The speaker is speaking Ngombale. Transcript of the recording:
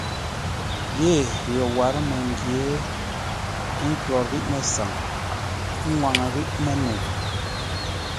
Yee yo warə́ məngyě, ə́ ntwǒr ghíʼ mə́saŋ, ə́ ŋwaŋə́ ghíʼ mə́nəu ?